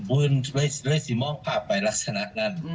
เลยสิมองภาพไปลักษณะนั้น